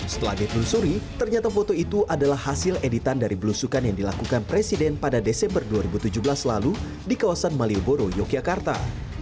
setelah ditelusuri ternyata foto itu adalah hasil editan dari belusukan yang dilakukan presiden pada desember dua ribu tujuh belas lalu di kawasan malioboro yogyakarta